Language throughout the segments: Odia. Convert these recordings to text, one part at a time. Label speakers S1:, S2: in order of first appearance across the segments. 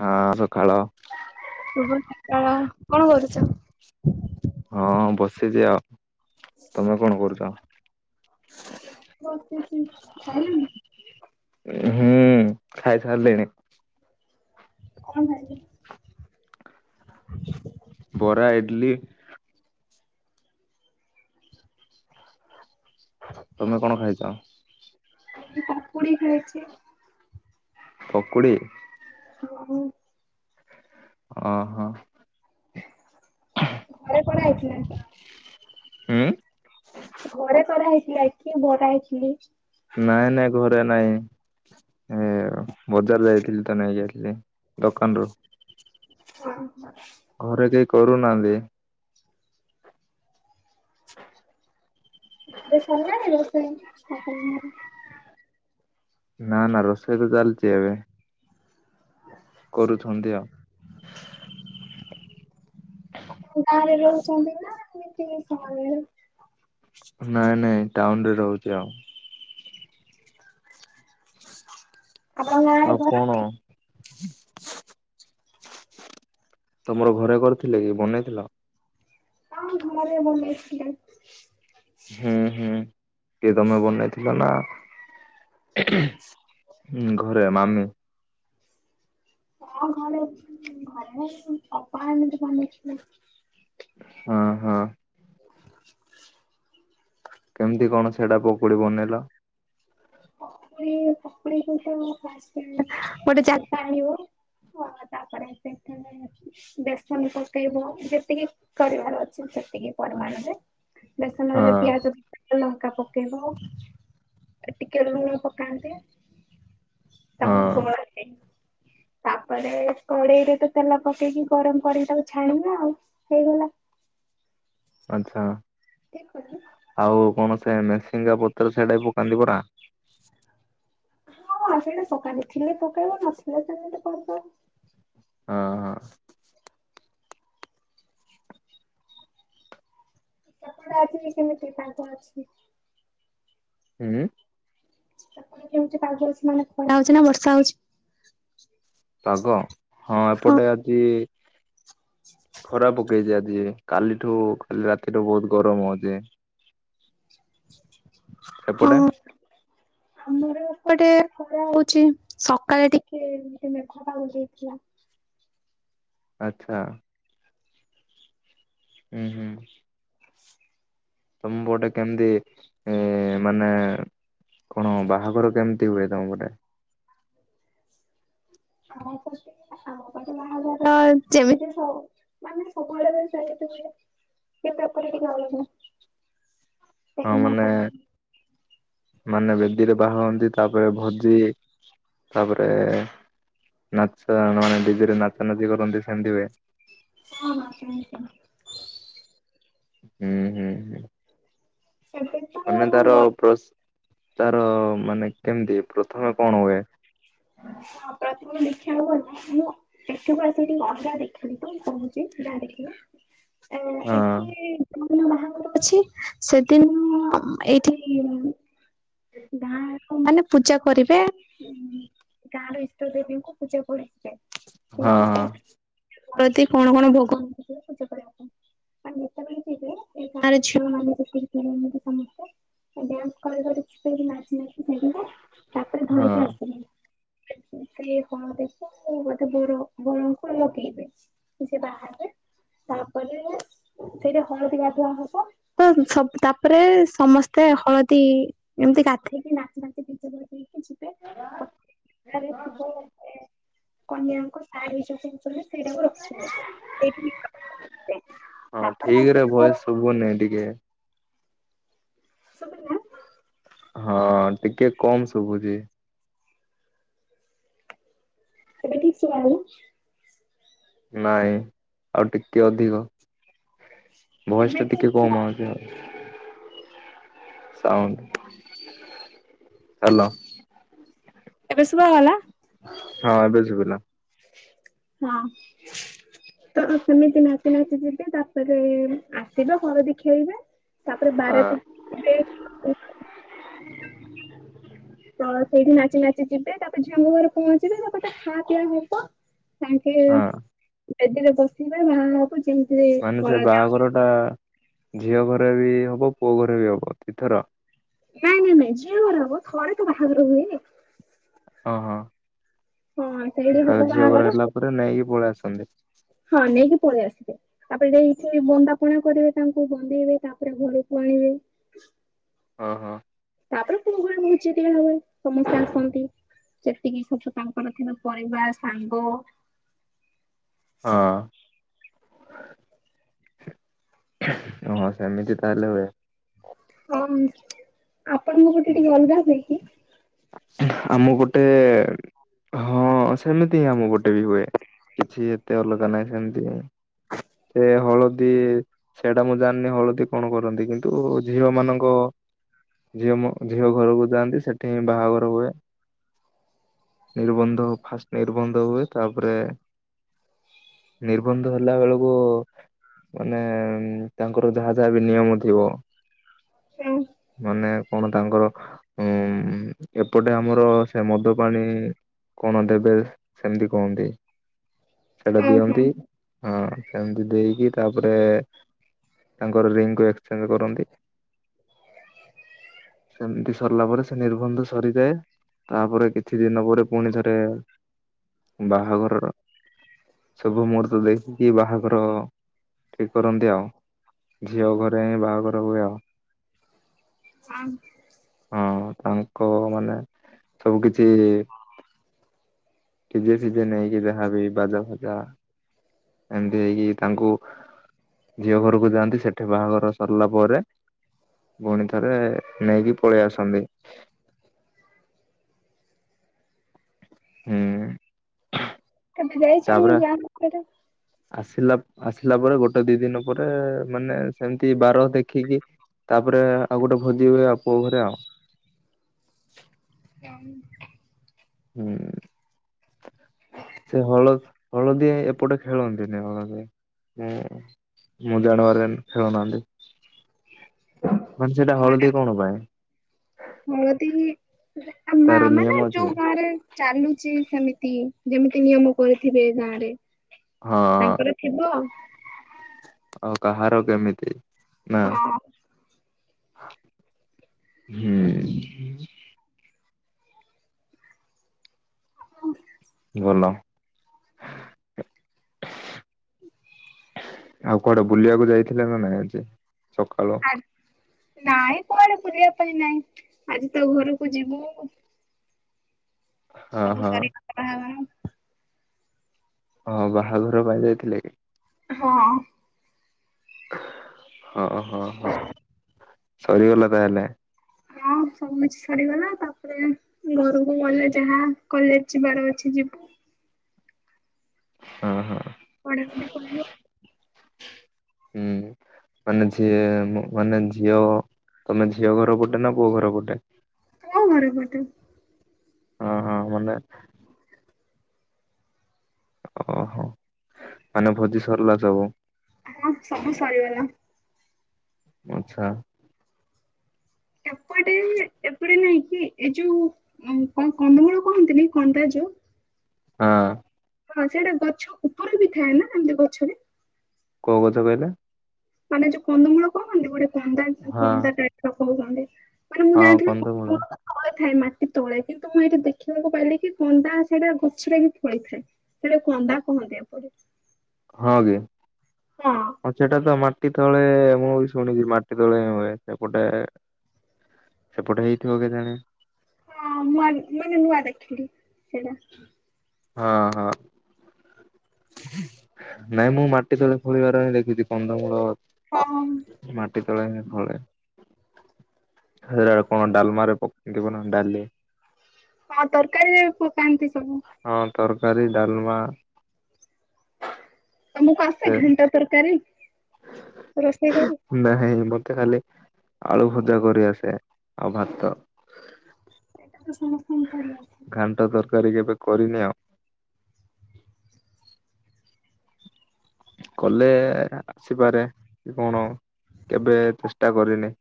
S1: ହଁ ସକାଳ
S2: ଶୁଭ ସକାଳ। କଣ କରୁଛ?
S1: ହଁ ବସିଛି ଆଉ ତମେ କଣ କରୁଛ? ହୁଁ ଖାଇ ସାରିଲିଣି।
S2: କଣ ଖାଇଲେ? [unintelligible]
S1: ବରା, ଏଡ୍‌ଲି।
S2: [inaudible]
S1: ତମେ କ'ଣ ଖାଇଚ?
S2: [unintelligible]
S1: ପକୁଡ଼ି।
S2: [inaudible]
S1: [inaudible]
S2: [inaudible]
S1: ହୁଁ
S2: ଘରେ କରା ହେଇ--ଲା, ଇଟ୍ଲି, ବରା, ଇଟ୍ଲି।
S1: ନାଇଁ ନାଇଁ, ଘରେ ନାଇଁ। ବଜାର୍ ଯାଇଥିଲି ତ, ନେଇ ଆ--ଲି ଦୋକାନ୍‌ରୁୁ।
S2: ହ ହ
S1: ଘରେ କେହି କରୁ ନା--ନ୍ତି।
S2: [unintelligible]
S1: ନା ନା, ରୋଷେଇ ତ ଚାଲ୍ଚି ଏବେ। କରୁଛନ୍ତି ଆ
S2: [unintelligible]
S1: ନାଇଁ ନାଇଁ ଟାଉନ୍‌ ରେ ରହୁଚି ଆଉ। ଆଉ
S2: [unintelligible]
S1: କ'ଣ? ତମର ଘରେ କର୍ଥିଲ କି ବନେଇ ଥିଲ?
S2: ହଁ, ଘରେ ବନେଇ ଥିଲେ।
S1: ହୁଁ ହୁଁ, କିଏ, ତମେ ବନେଇ ଥିଲ ନା? ହୁଁ, ଘରେ ମାମୁଁ।
S2: [unintelligible]
S1: [unintelligible]
S2: [unintelligible]
S1: କେମ୍ତି କ'ଣ ସେଟା ପକୁଡ଼ି ବନେଇଲ?
S2: [unintelligible] [inaudible] ବେସନ୍‌ ପକେଇବ, ଯେତିକି କରିବାର ଅଛି ସେତିକି ପରିମାଣରେ।
S1: ହଁ
S2: ବେସନରେ ପିଆଜ ଲଙ୍କା ପକେଇବ। [inaudible] ତା'ପରେ
S1: ହଁ
S2: କଡ଼େଇରେ ତ ତେଲ ପକେଇକି, ଗରମ୍ କରି, ତାକୁ ଛାଣିବା ଆଉ ହେଇଗଲା।
S1: ଆଚ୍ଛା।
S2: କ [unintelligible]
S1: ଆଉ କ'ଣ ସେ ମେସିଙ୍ଗା ପତ୍ର ସେ--ଟା ପକାନ୍ତି ପରା?
S2: ହଁ, ସେଇଟା ପକାନ୍ତି। ଥିଲେ ପକେଇବ, ନଥିଲେ ସେମିତି କର୍
S1: [inaudible]
S2: [unintelligible]
S1: [inaudible]
S2: [unintelligible]
S1: ପାଗ, ହଁ, ଏପଟେ ଆଜି ଖରା ପକେଇଚି ଆଜି। କାଲିଠୁ କାଲି ରାତିଠୁ ବହୁତ ଗରମ ହଉଛି।
S2: ହଁ
S1: ସେପଟେ
S2: ଆମର ଏପଟେ ଖରା ହଉଛି। ସକାଳେ ଟିକେ [unintelligible] ମେଘୁଆ ପାଗ ଯେଇଥିଲା
S1: ଆଚ୍ଛା। ହୁଁ, ହୁଁ। ତୋମ ପଟେ କେମିତି ଏ, ମାନେ କଣ ବାହାଘର କେମିତି ହୁଏ ତୋମ ପଟେ?
S2: ଆ [unintelligible] ଆମ ପଟେ ବାହାଘର ଯେମିତି ସ- ମାନେ ସବୁଆଡେ ହୁଏ ସେମିତି ହୁଏ। କେତେ ଉପରିକ ଯାଉଛୁ?
S1: ହଁ ମାନେ ମାନେ ବେଦୀରେ ବାହା ହଅନ୍ତି ତାପରେ ଭୋଜି। ତାପରେ ନାଚ ମାନେ ଡିଜେ ରେ ନାଚ ନାଚି କରନ୍ତି ସେମିତି ହୁଏ।
S2: ଆମର ସେମିତି ହୁଏ।
S1: ହୁଁ, ହୁଁ, ହୁଁ। ମାନେ ତାର ପ୍ରସ୍ ତାର ମାନେ କେମିତି ପ୍ରଥମେ କଣ ହୁଏ?
S2: ହଁ ପ୍ରଥମେ ଦେଖିବାକୁ ଗଲେ ଆମ ଏଠୁକୁ ଆସିକି ଅଲଗା ଦେଖିଲି ତ ମୁଁ କହୁଛି ଯାହା ଦେଖିଲି। ଅ,
S1: ହଁ
S2: ଏଠି [inaudible] ମାନେ ବାହାଘର ଅଛି ସେଦିନ ଅଁ, ଏଇଠି ଗାଁ ଅ, ମାନେ ପୂଜା କରିବେ ଗାଁ ର ଇଷ୍ଟ ଦେବୀଙ୍କୁ ପୂଜା କରିିବେ।
S1: ହଁ
S2: ସେଉଠୁ
S1: ହଁ
S2: [inaudible] ପ୍ରତି କଣ କଣ ଭୋଗ [inaudible] ପୂଜା କରିବା ପାଇଁ। [inaudible] ଯେତେବେଳେ ଯିବେ ଏଇ ଗାଁର ଝିଅ ମାନେ [inaudible] ସମସ୍ତେ ଓ ଡ୍ୟାନ୍ସ କରି କରି ସେଇଠି ନାଚି ନାଚି ସିଏ ଯିବେ ତାପରେ
S1: ହଁ
S2: ଧରିକି ଆସି [inaudible] [unintelligible] କିଏ କଣ ଦେଖ ସେ ବୋଧେ ବର ବରଙ୍କୁ ଲଗେଇବେ। କି ସେ ବାହାହେବେ, ତାପରେ ସେଇଠି ହଳଦୀ ଗାଧୁଆ ହବ। ତ ସବ୍ ତାପରେ ସମସ୍ତେ ହଳଦୀ ଏମିତି ଗାଧେଇକି ନାଚି ନାଚି ଡିଜେ ବଜେଇକି ଯି
S1: [unintelligible]
S2: କନିଆଙ୍କ ଶାଢୀ ଯୋଉ ପିନ୍ଧୁଛନ୍ତି।
S1: ହଁ ଠିକ ରେ ଭଏସ୍ ଶୁବୁନି ଟିକେ।
S2: ଶୁବିଲା।
S1: ହଁ ଟିକେ କମ ଶୁଭୁଛି।
S2: ଏବେ ଠିକ ଶୁଣା ହଉ
S1: ନାଇଁ ଆଉ ଟିକେ ଅଧିକ। ଭଏସ୍ ଟା ଟିକେ କମ ଆଉଚି ଆଉ। ସାଉଣ୍ଡୁ। ହେଲୋ।
S2: ଏବେ ଶୁଭା ହେଲା?
S1: ହଁ ଏବେ ଶୁଭିଲା।
S2: ହଁ। ତ ସେମିତି ନାଚି ନାଚି ଯିବେ ତାପରେ ଆସିବେ ଘରେ ଦେଖେଇବେ। ତାପରେ
S1: ହଁ
S2: ବାରାତି [unintelligible] ତ ସେଇଠି ନାଚି ନାଚି ଯିବେ ତାପରେ ଝିଅ [unintelligible] ଘରେ ପହଞ୍ଚିବେ ତ ଏପଟେ ଖା ପିଆ ହବ। ସାଙ୍ଗ ସାଗେ
S1: ହଁ
S2: ବେଦୀରେ ବସିବେ ମା ବାପ ଯେମିତି ଏ
S1: ମାନେ ସେ ବାହାଘର ଟା ଝିଅ ଘରେ ବି ହବ, ପୁଅ ଘରେ ବି ହବ ଦି ଥର?
S2: ନାଇଁ ନାଇଁ ନାଇଁ ଯିଏ ଘରେ ହବ ଥରେ ତ ବାହାଘର ହୁଏ।
S1: ହଁ ହଁ।
S2: ହଁ ସେଠି
S1: ତା
S2: ହବ ଭଲ
S1: ଝିଅ ଘର
S2: ବାହାଘର।
S1: ହେଲା ନେଇକି ପଳେଇ ଆସନ୍ତି।
S2: ହଁ ନେଇକି ପଳେଇ ଆସିବେ। ତାପରେ ଯଠି ବନ୍ଦାପଣା କରିବେ ତାଙ୍କୁ ବନ୍ଦେଇବେ ତାପରେ ଘରକୁ ଆଣିବେ।
S1: ଓଁ ହଁ।
S2: ତାପରେ ପୁଅ ଭଳେ ବହୁଛିତିକ ହୁଏ ସମସ୍ତେ ଆସନ୍ତି। ସେତିକି ସଠୁ ତାଙ୍କର ଥିବା ପରିବାର ସାଙ୍ଗ।
S1: ହଁ। ହଁ ସେମିତି ତାହେଲେ ହୁଏ।
S2: ହଁ ଆପଣଙ୍କ ଗଟେ ଟିକେ ଅଲଗା ହୁଏ କି
S1: ଆମ ଗୋଟେ ହଁ ସେମିତି ହଁ ଆମ ଗୋଟେ ବି ହୁଏ କିଛି ଏତେ ଅଲଗା ନାହିଁ ସେମିତି ହଁ। ସେ ହଳଦୀ ସେଇଟା ମୁଁ ଜାଣିନି ହଳଦୀ କଣ କରନ୍ତି କିନ୍ତୁ ଝିଅ ମାନଙ୍କ ଝିଅ ମ ଝିଅ ଘରକୁ ଯାଆନ୍ତି ସେଠି ହିଁ ବାହାଘର ହୁଏ। ନିର୍ବନ୍ଧ ଫାଷ୍ଟ ନିର୍ବନ୍ଧ ହୁଏ ତାପରେ ନିର୍ବନ୍ଧ ହେଲା ବେଳକୁ ମାନେ ତାଙ୍କର ଯାହା ଯାହା ବି ନିୟମ ଥିବ।
S2: ହଁ।
S1: ମାନେ କଣ ତାଙ୍କର ଉ ଏପଟେ ଆମର ସେ ମଦ ପାାଣି କଣ ଦେବେ ସେମିତି କୁହନ୍ତି। ଛେଡା ଦିଅନ୍ତି ହଁ ସେତି ଦେଇକି ତାପରେ ତାଙ୍କର ରିଙ୍ଗକୁ ଏକ୍ସଚେଞ୍ଜ କରନ୍ତି। ସେମିତି ସରିଲା ପରେ ସେ ଧୁ ସରିଥାାଏ ତାପରେ କିଛି ଦିନ ପରେ ପୁଣି ଥରେ ବାହାଘରର ସବୁ ମୁହୂର୍ତ୍ତ ଦେଖିକି ବାହାଘର ଠିକ କରନ୍ତି ଆଉ। ଝିଅ ଘରେ ହ ବାହାଘର ହୁଏ ଆଉ।
S2: ହଁ।
S1: ହଁ ତାଙ୍କ ମାନେ ସବୁ କିଛି ଡିଯେ ଫିଜେ ନହି କି ଯାହା ବି ବାଜା ଫଜା ଏମିତି ହେଇକି ତାଙ୍କୁ ଝିଅ ଘରକୁ ଯାଆନ୍ତି ସେଠି ବାହାଘର ସରିଲା ପରେ ପୁଣି ଥରେ ନେଇକି ପଳେଇ ଆସନ୍ତି। ହୁଁ।
S2: କେବେ
S1: ତାପରେ
S2: ଯାଇଛନ୍ତି ଗାଁ ଭିତରେ
S1: ଆସିଲା ଆସିଲା ପରେ ଗୋଟେ ଦି ଦିନ ପରେ ମାନେ ସେମିତି ବାର ଦେଖିକି ତାପରେ ଆଉ ଗୋଟେ ଭୋଜି ହୁଏ ଆଉ ପୁଅ ଘରେ ଆଉ।
S2: ତ [inaudible]
S1: ହୁଁ। ସେ ହଳ ହଳଦି ଏପଟେ ଖେଳନ୍ତିନି ହଳଦି ହୁଁ। ମୁଁ ଜାଣିବାର ଏମିତି ଖେଳୁନାହାନ୍ତି ମାନେ ସେଇଟା ହଳଦୀ କଣ ପାଇଁ।
S2: ହଳଦୀ
S1: ତାର ନିୟମ ଅଛି।
S2: ଆ ଗାଁରେ ଚାଲୁଛି ସେମିତି ଯେମିତି ନିୟମ କରିଥିବେ ଗାଁ ରେ
S1: ହଁ
S2: ତାଙ୍କର ଥିବ।
S1: ଆଉ କାହାର କେମିତି ନା ହୁଁ
S2: ହୁଁ
S1: ଭଲ
S2: ହ [inaudible]
S1: ଆଉ କୁଆଡ଼େ ବୁଲିବାକୁ ଯାଇଥିଲେ ନା ନାହିଁ ଆଜି ସକାଳୁ।
S2: ନାଇଁ କୁଆଡ଼େ ବୁଲିବା ପାଇଁ ନାଇଁ ଆଜି ତ ଘରକୁ ଯିବୁ।
S1: ହଁ
S2: ସବୁ
S1: ହଁ
S2: ସରିଗଲା ବାହାଘର
S1: ହଁ ବାହାଘର ପାଇଁ ଯାଇଥିଲେ କି?
S2: ହଁ
S1: ହଁ ହଁ ହଁ ସରିଗଲା ତାହେଲେ।
S2: ହଁ ସବୁ କିଛି ସରିଗଲା। ତାପରେ ଘରକୁ ଗଲେ ଯାହା କଲେଜ ଯିବାର ଅଛି ଯିବୁ।
S1: ହଁ ହଁ
S2: ପଢ଼ାପଢ଼ି କରିବୁ ଆଉ।
S1: ହୁଁ ମାନେ ଝିଅ ମାନେ ଝିଅ ତମେ ଝିଅ ଘର ପଟେ ନା ପୁଅ ଘର ପଟେ।
S2: କୋଉ ଘର ପଟେ?
S1: ହଁ ହଁ ମାନେ ଓହୋ ମାନେ ଭୋଜି ସରିଲା ସବୁ।
S2: ହଁ ସବୁ ସରିଗଲା।
S1: ଆଚ୍ଛା
S2: ଏପଟେ ଏପଟେ ନାଇଁ କି ଏ ଯୋଉ କଣ କନ୍ଦମୂଳ କହନ୍ତିନି, କନ୍ଦା ଯୋଉ
S1: ହଁ
S2: ହଁ ସେଇଟା ଗଛ ଉପରେ ବି ଥାଏ ନା ଏମତି ଗଛରେ
S1: କୋଉ ଗଛ କହିଲେ?
S2: ମାନେ ଯୋଉ କନ୍ଦମୂଳ କୁହନ୍ତି ଗୋଟେ କନ୍ଦା
S1: ହଁ
S2: କନ୍ଦା ଟଇପର କହୁଛନ୍ତି। ମାନେ ମୁଁ
S1: ହଁ
S2: ଜାଣିଥିଲି
S1: କନ୍ଦମୂଳ
S2: [unintelligible] ତଳେ ଥାଏ ମାଟି ତଳେ କିନ୍ତୁ ମୁଁ ଏଇଠି ଦେଖିବାକୁ ପାଇଲିି କି କନ୍ଦା ସେଇଟା ଗଛରେ ବି ଫଳି ଥାଏ। ସେଇଟା କନ୍ଦା କହନ୍ତି ଆକୁ।
S1: ହଁ କି ହଁ ସେଟା ତ ମାଟି ସେତେବେଳେ ମୁଁ ବି ଶୁଣିଛି ମାଟି ତଳେ ହିଁ ହୁଏ ଏପଟେ। ସେପଟେ ହେଇଥିବ କେଜାଣି
S2: ହଁ ମୁଁ ଆଜି ମାନେ ନୂଆ ଦେଖିଲି ସେଇଟା।
S1: ହଁ ହଁ ନାଇଁ ମୁଁ ମାଟି ତଳେ ଖୋଳିବାର ହଁ ଦେଖିଛି କନ୍ଦମୂଳ।
S2: ହଁ
S1: ମାଟି ତଳେ ହିଁ ଫଳେ। ସେ କଣ ଡାଲମାରେ ପକେଇବ ନା ଡାଲି
S2: ହଁ ତରକାରୀରେ ପକାନ୍ତି ସବୁ।
S1: ହଁ ତରକାରୀ ଡାଲମା
S2: ତମକୁ ଆସେ
S1: ସେ
S2: ଘାଣ୍ଟ ତରକାରୀ ରୋଷେଇ କରି?
S1: ନାହିଁ ମତେ ଖାଲି ଆଳୁ ଭଜା କରିଆସେ ଆଉ ଭାତ।
S2: ସେଇଟା ତ ସମସ୍ତଙ୍କୁ ଖାଲି ଆସେ।
S1: ଘାଣ୍ଟ ତରକାରୀ କେବେ କରିନି ଆଉ। କଲେ ଆସିପାରେ କଣ କେବେ ଚେଷ୍ଟା କରିନି।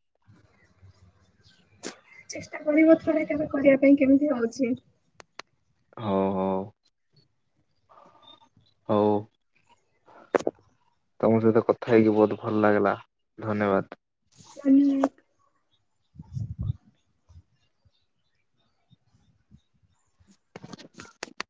S2: ଚେଷ୍ଟା କରିବ ଥରେ କେବେ କରିବା ପାଇଁ କେମିତି ହଉଛି।
S1: ହଉ ହଉ। ହଉ। ତମ ସହିତ କଥା ହେଇକି ବହୁତ ଭଲ ଲାଗିଲା ଧନ୍ୟବାଦ।
S2: ଧନ୍ୟ
S1: [inaudible]